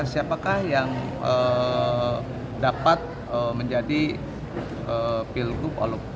siapakah yang dapat menjadi pilgub